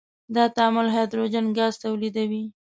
دا تعامل هایدروجن غاز تولیدوي.